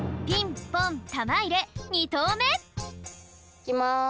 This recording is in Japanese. いきます。